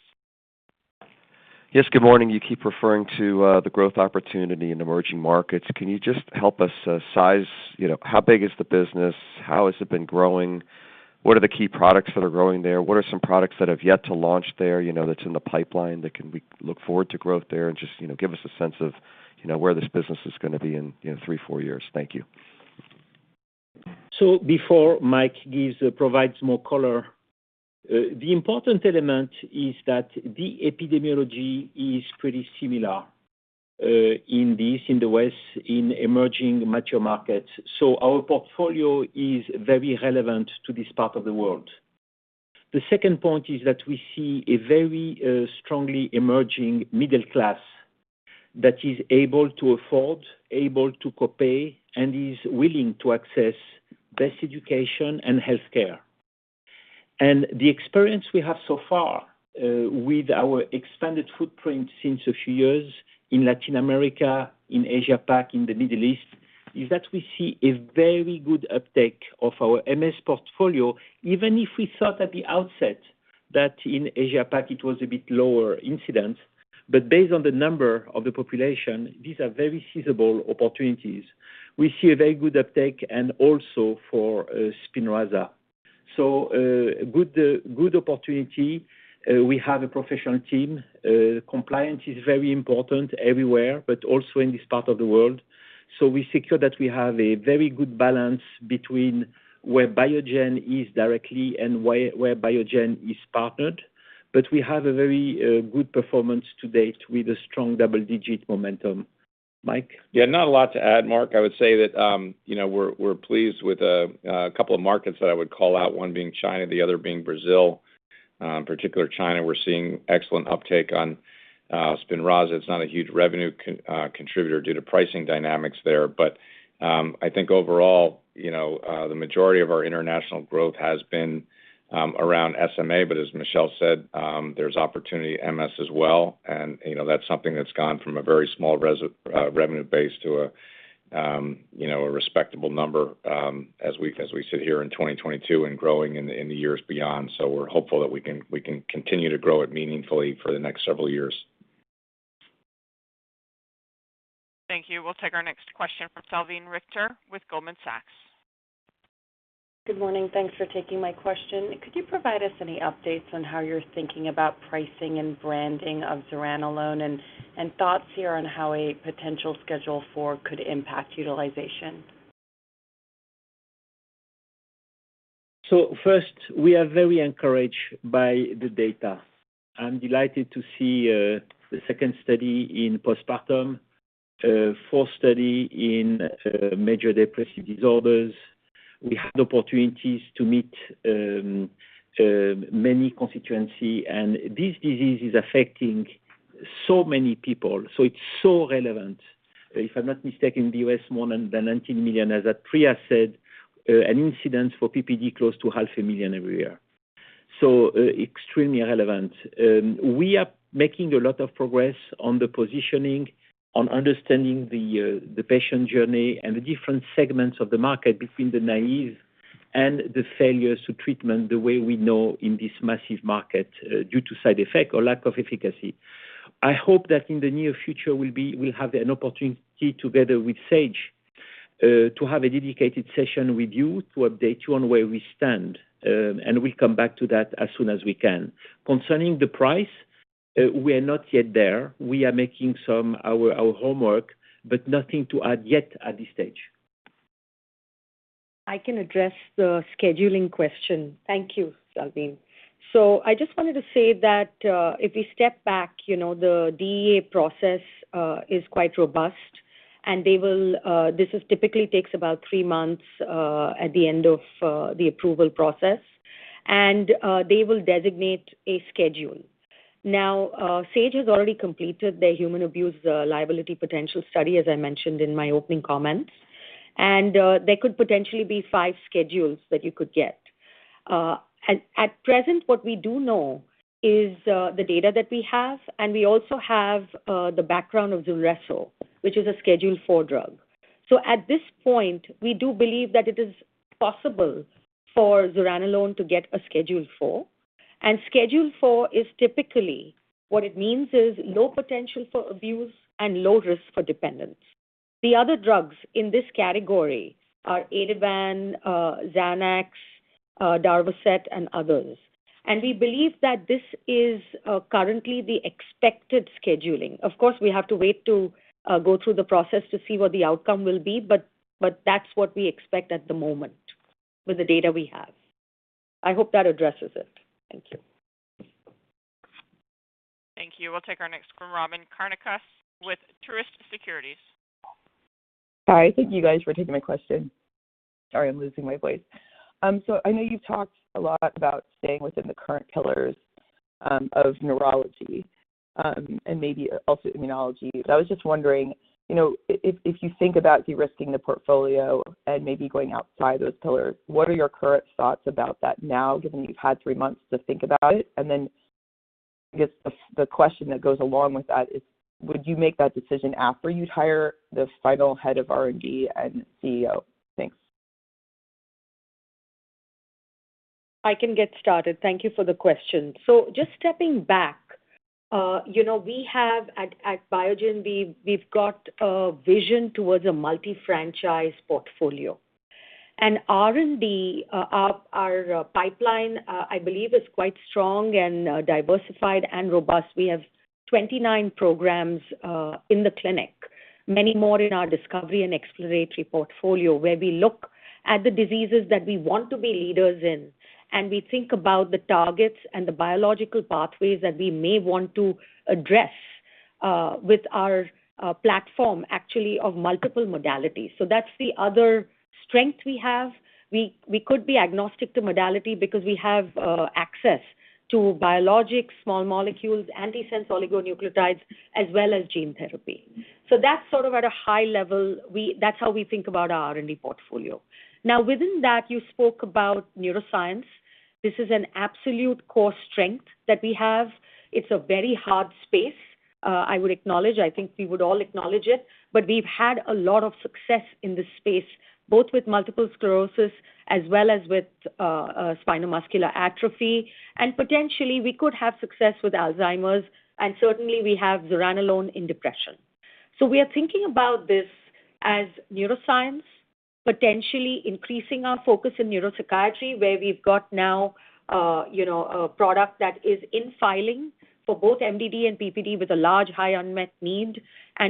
Yes, good morning. You keep referring to the growth opportunity in emerging markets. Can you just help us size, you know, how big is the business? How has it been growing? What are the key products that are growing there? What are some products that have yet to launch there, you know, that's in the pipeline that can we look forward to growth there? Just, you know, give us a sense of, you know, where this business is going to be in, you know, 3, 4 years. Thank you. Before Mike provides more color, the important element is that the epidemiology is pretty similar in the East, in the West, in emerging mature markets. Our portfolio is very relevant to this part of the world. The second point is that we see a very strongly emerging middle class that is able to afford, able to copay, and is willing to access best education and healthcare. The experience we have so far with our expanded footprint since a few years in Latin America, in Asia-Pac, in the Middle East, is that we see a very good uptake of our MS portfolio, even if we thought at the outset that in Asia-Pac it was a bit lower incidence. Based on the number of the population, these are very feasible opportunities. We see a very good uptake and also for SPINRAZA. A good opportunity. We have a professional team. Compliance is very important everywhere, but also in this part of the world. We secure that we have a very good balance between where Biogen is directly and where Biogen is partnered. We have a very good performance to date with a strong double-digit momentum. Mike? Yeah, not a lot to add, Marc. I would say that, you know, we're pleased with a couple of markets that I would call out, one being China, the other being Brazil. In particular China, we're seeing excellent uptake on SPINRAZA. It's not a huge revenue contributor due to pricing dynamics there. I think overall, you know, the majority of our international growth has been around SMA. As Michel said, there's opportunity MS as well. You know, that's something that's gone from a very small revenue base to a respectable number, as we sit here in 2022 and growing in the years beyond. We're hopeful that we can continue to grow it meaningfully for the next several years. Thank you. We'll take our next question from Salveen Richter with Goldman Sachs. Good morning. Thanks for taking my question. Could you provide us any updates on how you're thinking about pricing and branding of zuranolone and thoughts here on how a potential Schedule IV could impact utilization? First, we are very encouraged by the data. I'm delighted to see the second study in postpartum, fourth study in major depressive disorders. We had opportunities to meet many constituencies, and this disease is affecting so many people, so it's so relevant. If I'm not mistaken, the U.S. more than 19 million, as Priya said, an incidence for PPD close to half a million every year. Extremely relevant. We are making a lot of progress on the positioning, on understanding the patient journey and the different segments of the market between the naïve and the failures to treatment, the way we know in this massive market due to side effect or lack of efficacy. I hope that in the near future, we'll be. We'll have an opportunity together with Sage to have a dedicated session with you to update you on where we stand, and we'll come back to that as soon as we can. Concerning the price, we are not yet there. We are making some of our homework, but nothing to add yet at this stage. I can address the scheduling question. Thank you, Salveen. I just wanted to say that, if we step back, you know, the DEA process is quite robust, and they will, this typically takes about 3 months at the end of the approval process. They will designate a schedule. Now, Sage has already completed their human abuse liability potential study, as I mentioned in my opening comments. There could potentially be 5 schedules that you could get. At present, what we do know is the data that we have, and we also have the background of Zulresso, which is a Schedule IV drug. At this point, we do believe that it is possible for zuranolone to get a Schedule IV. Schedule IV is typically, what it means is low potential for abuse and low risk for dependence. The other drugs in this category are Ativan, Xanax, Darvocet, and others. We believe that this is currently the expected scheduling. Of course, we have to wait to go through the process to see what the outcome will be, but that's what we expect at the moment with the data we have. I hope that addresses it. Thank you. Thank you. We'll take our next from Robyn Karnauskas with Truist Securities. Hi. Thank you guys for taking my question. Sorry, I'm losing my voice. So I know you've talked a lot about staying within the current pillars of neurology and maybe also immunology. I was just wondering, you know, if you think about de-risking the portfolio and maybe going outside those pillars, what are your current thoughts about that now, given you've had three months to think about it? And then I guess the follow-up question that goes along with that is, would you make that decision after you'd hire the final head of R&D and CEO? Thanks. I can get started. Thank you for the question. Just stepping back, you know, we have at Biogen, we've got a vision towards a multi-franchise portfolio. R&D our pipeline I believe is quite strong and diversified and robust. We have 29 programs in the clinic, many more in our discovery and exploratory portfolio, where we look at the diseases that we want to be leaders in, and we think about the targets and the biological pathways that we may want to address with our platform, actually of multiple modalities. That's the other strength we have. We could be agnostic to modality because we have access to biologics, small molecules, antisense oligonucleotides, as well as gene therapy. That's sort of at a high level, that's how we think about our R&D portfolio. Now, within that, you spoke about neuroscience. This is an absolute core strength that we have. It's a very hard space, I would acknowledge. I think we would all acknowledge it. We've had a lot of success in this space, both with multiple sclerosis as well as with spinal muscular atrophy. Potentially we could have success with Alzheimer's, and certainly we have zuranolone in depression. We are thinking about this as neuroscience, potentially increasing our focus in neuropsychiatry, where we've got now, you know, a product that is in filing for both MDD and PPD with a large, high unmet need.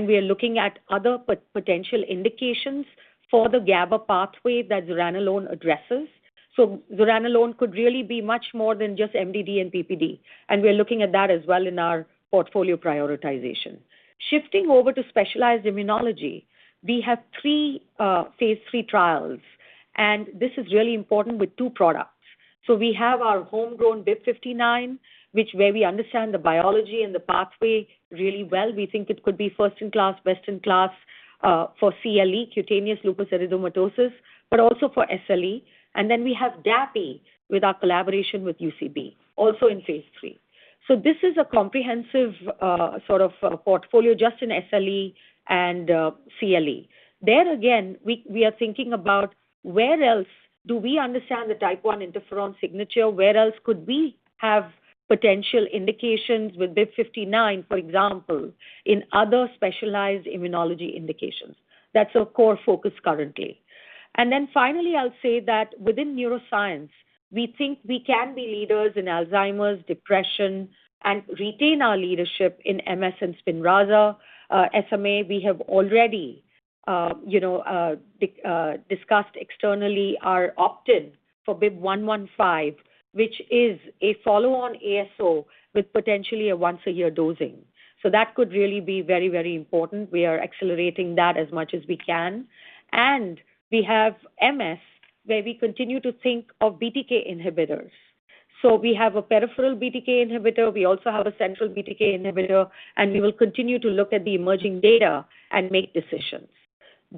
We are looking at other potential indications for the GABA pathway that zuranolone addresses. Zuranolone could really be much more than just MDD and PPD, and we're looking at that as well in our portfolio prioritization. Shifting over to specialized immunology, we have three phase III trials, and this is really important with two products. We have our homegrown BIIB059, where we understand the biology and the pathway really well. We think it could be first in class, best in class for CLE, cutaneous lupus erythematosus, but also for SLE. We have dapirolizumab pegol with our collaboration with UCB, also in phase III. This is a comprehensive sort of portfolio just in SLE and CLE. There again, we are thinking about where else do we understand the type I interferon signature. Where else could we have potential indications with BIIB059, for example, in other specialized immunology indications. That's our core focus currently. Finally, I'll say that within neuroscience, we think we can be leaders in Alzheimer's, depression, and retain our leadership in MS and SPINRAZA. SMA, we have already discussed externally our option for BIIB115, which is a follow-on ASO with potentially a once-a-year dosing. That could really be very, very important. We are accelerating that as much as we can. We have MS, where we continue to think of BTK inhibitors. We have a peripheral BTK inhibitor. We also have a central BTK inhibitor, and we will continue to look at the emerging data and make decisions.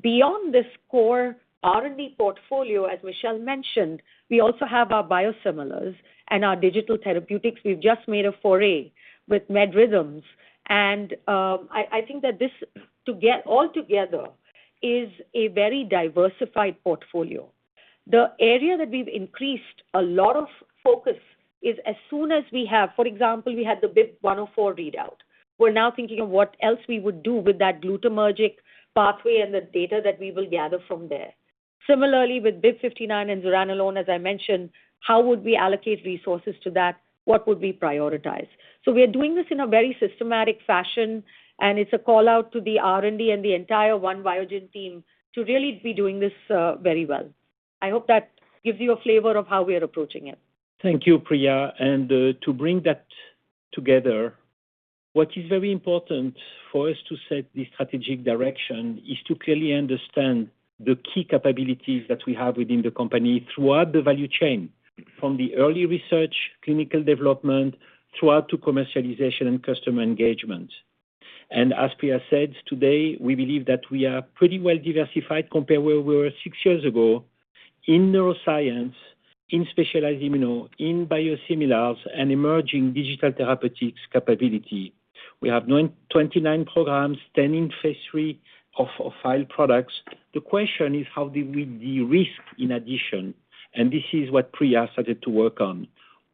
Beyond this core R&D portfolio, as Michel mentioned, we also have our biosimilars and our digital therapeutics. We've just made a foray with MedRhythms, and I think that this to get all together is a very diversified portfolio. The area that we've increased a lot of focus is as soon as we have. For example, we had the BIIB104 readout. We're now thinking of what else we would do with that glutamatergic pathway and the data that we will gather from there. Similarly with BIIB059 and zuranolone, as I mentioned, how would we allocate resources to that? What would we prioritize? We are doing this in a very systematic fashion, and it's a call-out to the R&D and the entire One Biogen team to really be doing this very well. I hope that gives you a flavor of how we are approaching it. Thank you, Priya. To bring that together, what is very important for us to set the strategic direction is to clearly understand the key capabilities that we have within the company throughout the value chain, from the early research, clinical development, throughout to commercialization and customer engagement. As Priya said today, we believe that we are pretty well diversified compared where we were 6 years ago in neuroscience, in specialized immuno, in biosimilars and emerging digital therapeutics capability. We have 29 programs, 10 in phase III of filed products. The question is how do we de-risk in addition, and this is what Priya started to work on.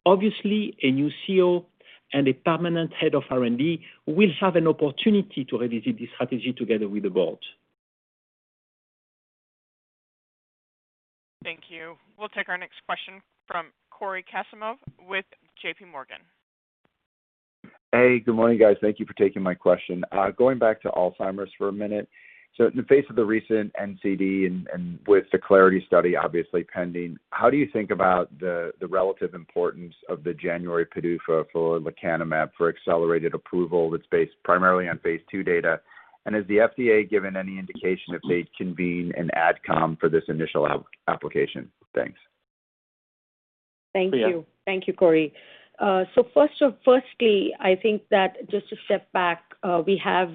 Obviously, a new CEO and a permanent head of R&D will have an opportunity to revisit this strategy together with the board. Thank you. We'll take our next question from Cory Kasimov with JPMorgan. Hey, good morning, guys. Thank you for taking my question. Going back to Alzheimer's for a minute. In the face of the recent NCD and with the Clarity study obviously pending, how do you think about the relative importance of the January PDUFA for lecanemab for accelerated approval that's based primarily on phase II data? Has the FDA given any indication if they'd convene an ADCOM for this initial application? Thanks. Thank you. Priya. Thank you, Cory. So firstly, I think that just to step back, we have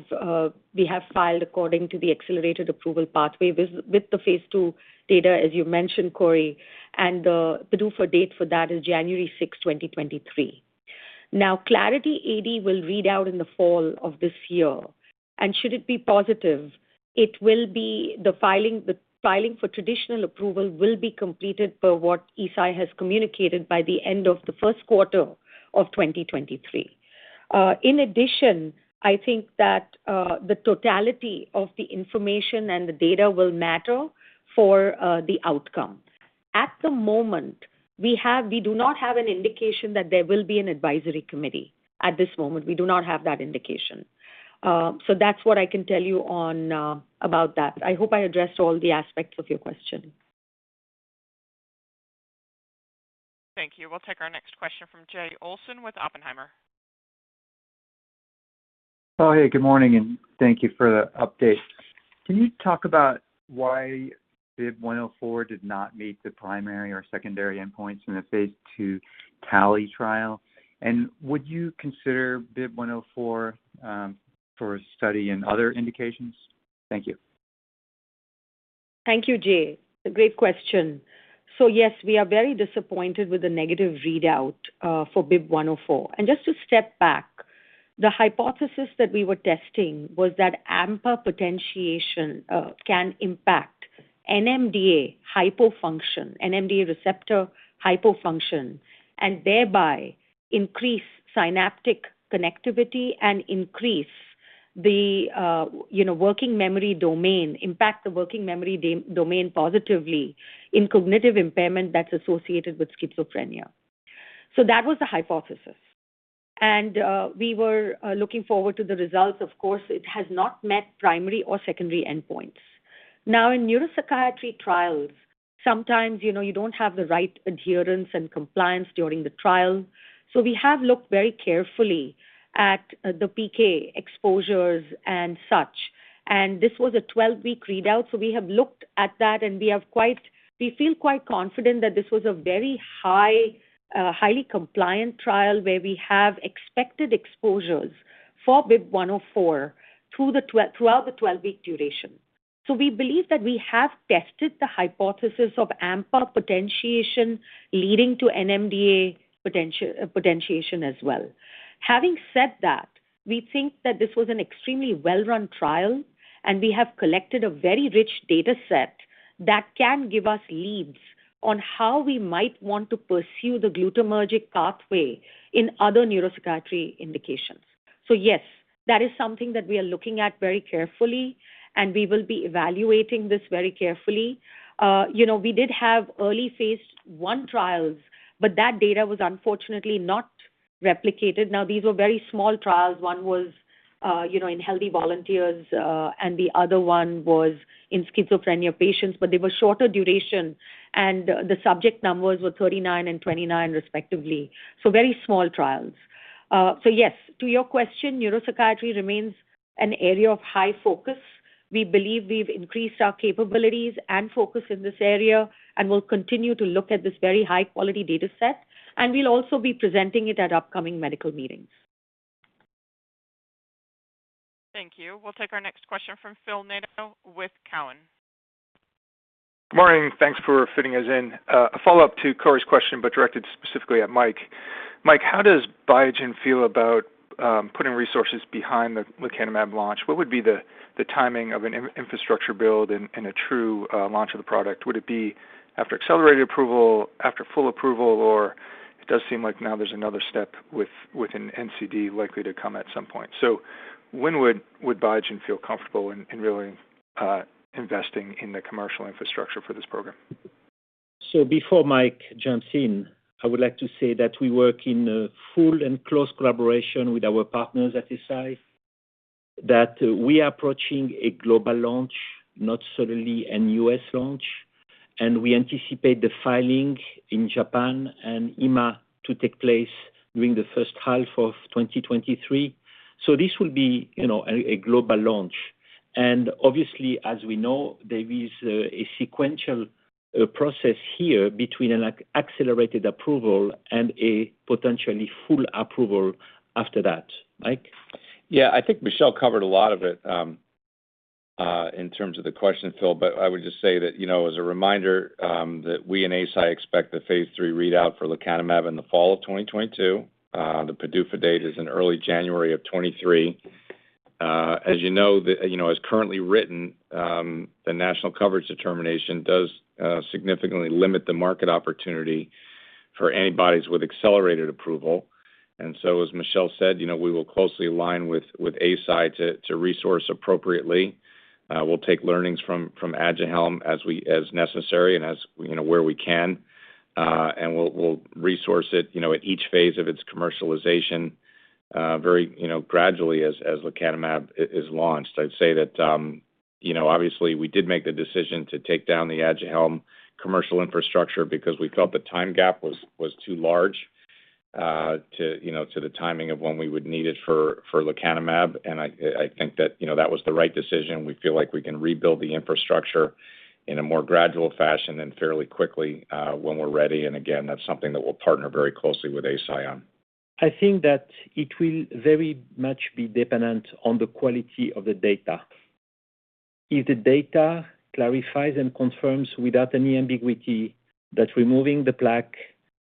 filed according to the accelerated approval pathway with the phase II data, as you mentioned, Cory, and the PDUFA date for that is January 6, 2023. Now, Clarity AD will read out in the fall of this year, and should it be positive, the filing for traditional approval will be completed per what Eisai has communicated by the end of the first quarter of 2023. In addition, I think that the totality of the information and the data will matter for the outcome. At the moment, we do not have an indication that there will be an advisory committee at this moment. We do not have that indication. That's what I can tell you on about that. I hope I addressed all the aspects of your question. Thank you. We'll take our next question from Jay Olson with Oppenheimer. Oh, hey, good morning, and thank you for the update. Can you talk about why BIIB104 did not meet the primary or secondary endpoints in the phase II TALLY trial? Would you consider BIIB104 for a study in other indications? Thank you. Thank you, Jay. A great question. Yes, we are very disappointed with the negative readout for BIIB104. Just to step back, the hypothesis that we were testing was that AMPA potentiation can impact NMDA hypofunction, NMDA receptor hypofunction, and thereby increase synaptic connectivity and increase the, you know, working memory domain, impact the working memory domain positively in cognitive impairment that's associated with schizophrenia. That was the hypothesis. We were looking forward to the results. Of course, it has not met primary or secondary endpoints. Now, in neuropsychiatry trials, sometimes, you know, you don't have the right adherence and compliance during the trial. We have looked very carefully at the PK exposures and such, and this was a 12-week readout, so we have looked at that and we feel quite confident that this was a very high, highly compliant trial where we have expected exposures for BIIB104 throughout the 12-week duration. We believe that we have tested the hypothesis of AMPA potentiation leading to NMDA potentiation as well. Having said that, we think that this was an extremely well run trial, and we have collected a very rich data set that can give us leads on how we might want to pursue the glutamatergic pathway in other neuropsychiatry indications. Yes, that is something that we are looking at very carefully, and we will be evaluating this very carefully. You know, we did have early phase I trials, but that data was unfortunately not replicated. Now, these were very small trials. One was, you know, in healthy volunteers, and the other one was in schizophrenia patients, but they were shorter duration. The subject numbers were 39 and 29 respectively, so very small trials. Yes, to your question, neuropsychiatry remains an area of high focus. We believe we've increased our capabilities and focus in this area, and we'll continue to look at this very high-quality data set, and we'll also be presenting it at upcoming medical meetings. Thank you. We'll take our next question from Phil Nadeau with Cowen. Good morning. Thanks for fitting us in. A follow-up to Cory's question, but directed specifically at Mike. Mike, how does Biogen feel about putting resources behind the lecanemab launch? What would be the timing of an infrastructure build and a true launch of the product? Would it be after accelerated approval, after full approval, or it does seem like now there's another step with an NCD likely to come at some point. When would Biogen feel comfortable in really investing in the commercial infrastructure for this program? Before Mike jumps in, I would like to say that we work in a full and close collaboration with our partners at Eisai, that we are approaching a global launch, not solely a U.S. launch. We anticipate the filing in Japan and EMA to take place during the first half of 2023. This will be, you know, a global launch. Obviously, as we know, there is a sequential process here between an accelerated approval and a potentially full approval after that. Mike. Yeah. I think Michel covered a lot of it in terms of the question, Phil, but I would just say that, you know, as a reminder, that we and Eisai expect the phase III readout for lecanemab in the fall of 2022. The PDUFA date is in early January of 2023. As you know, you know, as currently written, the national coverage determination does significantly limit the market opportunity for antibodies with accelerated approval. As Michel said, you know, we will closely align with Eisai to resource appropriately. We'll take learnings from Aduhelm as necessary and as, you know, where we can, and we'll resource it, you know, at each phase of its commercialization very, you know, gradually as lecanemab is launched. I'd say that, you know, obviously we did make the decision to take down the Aduhelm commercial infrastructure because we felt the time gap was too large to the timing of when we would need it for lecanemab. I think that, you know, that was the right decision. We feel like we can rebuild the infrastructure in a more gradual fashion and fairly quickly when we're ready. Again, that's something that we'll partner very closely with Eisai on. I think that it will very much be dependent on the quality of the data. If the data clarifies and confirms without any ambiguity that removing the plaque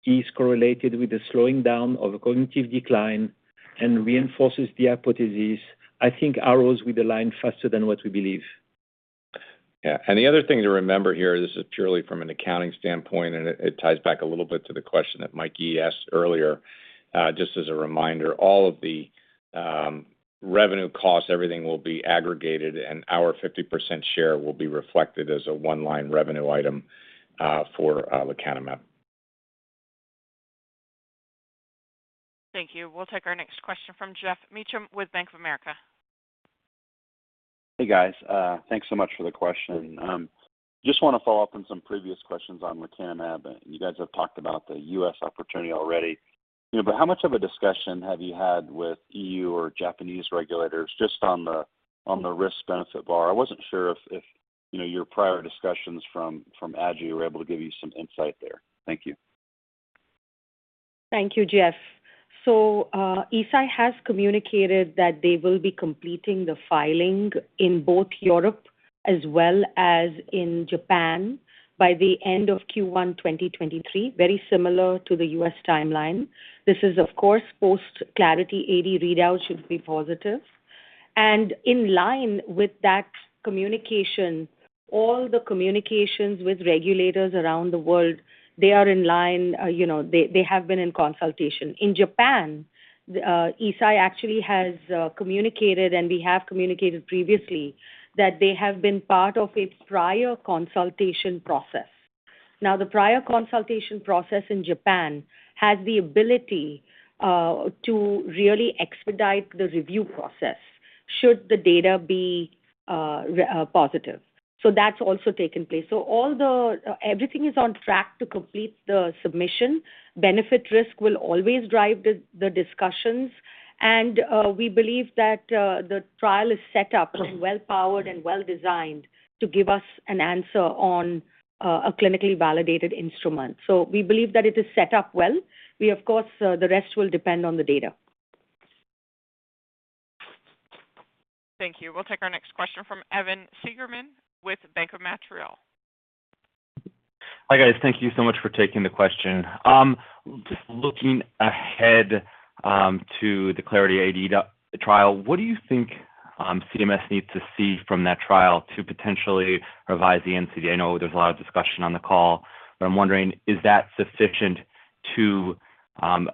is correlated with the slowing down of cognitive decline and reinforces the hypothesis, I think arrows will align faster than what we believe. Yeah. The other thing to remember here, this is purely from an accounting standpoint, and it ties back a little bit to the question that Mike Yee asked earlier. Just as a reminder, all of the revenue costs, everything will be aggregated, and our 50% share will be reflected as a one-line revenue item for lecanemab. Thank you. We'll take our next question from Geoff Meacham with Bank of America. Hey, guys. Thanks so much for the question. Just wanna follow up on some previous questions on lecanemab. You guys have talked about the U.S. opportunity already. You know, but how much of a discussion have you had with EU or Japanese regulators just on the risk-benefit bar? I wasn't sure if you know, your prior discussions from Aduhelm were able to give you some insight there. Thank you. Thank you, Geoff. Eisai has communicated that they will be completing the filing in both Europe as well as in Japan by the end of Q1 2023, very similar to the U.S. timeline. This is, of course, post-Clarity AD readout should be positive. In line with that communication, all the communications with regulators around the world, they are in line. You know, they have been in consultation. In Japan, Eisai actually has communicated, and we have communicated previously that they have been part of a prior consultation process. Now, the prior consultation process in Japan has the ability to really expedite the review process should the data be positive. That's also taken place. Everything is on track to complete the submission. Benefit-risk will always drive the discussions. We believe that the trial is set up and well powered and well designed to give us an answer on a clinically validated instrument. We believe that it is set up well. Of course, the rest will depend on the data. Thank you. We'll take our next question from Evan Seigerman with Bank of Montreal. Hi, guys. Thank you so much for taking the question. Just looking ahead, to the Clarity AD trial, what do you think CMS needs to see from that trial to potentially revise the NCD? I know there's a lot of discussion on the call, but I'm wondering is that sufficient to,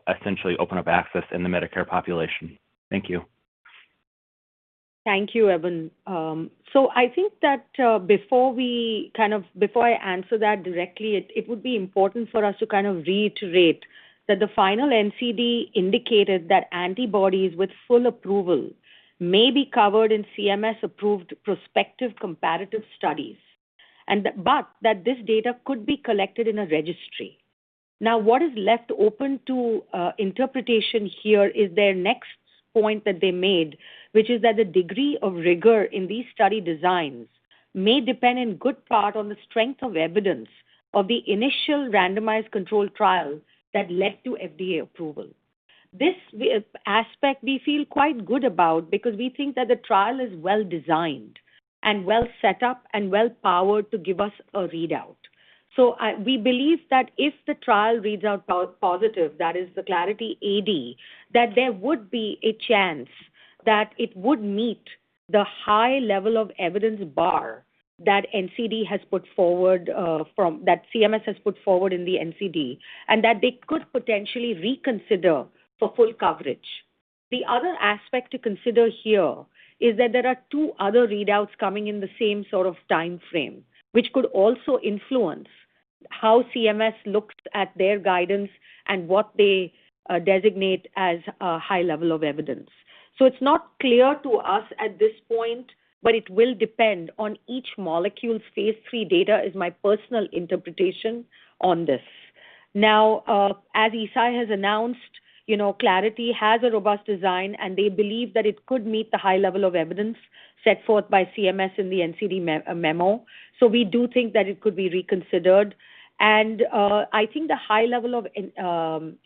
essentially open up access in the Medicare population? Thank you. Thank you, Evan. So I think that before I answer that directly, it would be important for us to reiterate that the final NCD indicated that antibodies with full approval may be covered in CMS-approved prospective comparative studies but that this data could be collected in a registry. Now, what is left open to interpretation here is their next point that they made, which is that the degree of rigor in these study designs may depend in good part on the strength of evidence of the initial randomized controlled trial that led to FDA approval. This aspect we feel quite good about because we think that the trial is well designed and well set up and well powered to give us a readout. We believe that if the trial reads out positive, that is the Clarity AD, that there would be a chance that it would meet the high level of evidence bar that CMS has put forward in the NCD, and that they could potentially reconsider for full coverage. The other aspect to consider here is that there are two other readouts coming in the same sort of timeframe, which could also influence how CMS looks at their guidance and what they designate as a high level of evidence. It's not clear to us at this point, but it will depend on each molecule's phase III data. Is my personal interpretation on this. Now, as Eisai has announced, you know, Clarity has a robust design, and they believe that it could meet the high level of evidence set forth by CMS in the NCD memo. We do think that it could be reconsidered. I think the high level of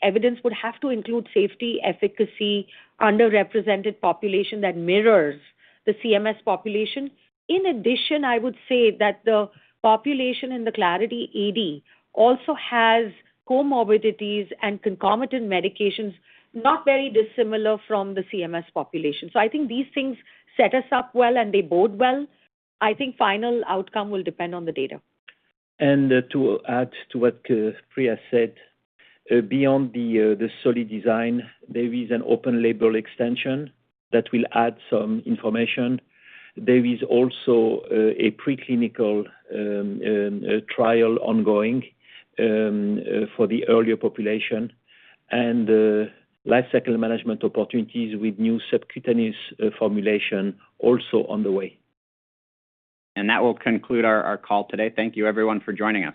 evidence would have to include safety, efficacy, underrepresented population that mirrors the CMS population. In addition, I would say that the population in the Clarity AD also has comorbidities and concomitant medications, not very dissimilar from the CMS population. I think these things set us up well, and they bode well. I think final outcome will depend on the data. To add to what Priya said, beyond the solid design, there is an open label extension that will add some information. There is also a preclinical trial ongoing for the earlier population and lifecycle management opportunities with new subcutaneous formulation also on the way. That will conclude our call today. Thank you everyone for joining us.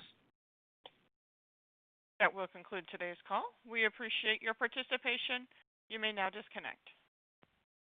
That will conclude today's call. We appreciate your participation. You may now disconnect.